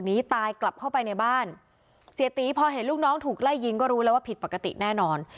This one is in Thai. หนีตายกลับเข้าไปในบ้านเสียตีพอเห็นลูกน้องถูกไล่ยิงก็รู้แล้วว่าผิดปกติแน่นอน